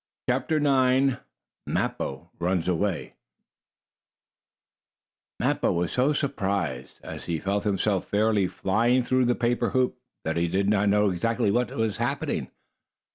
CHAPTER IX MAPPO RUNS AWAY Mappo was so surprised, as he felt himself fairly flying through the paper hoop, that he did not know exactly what was happening.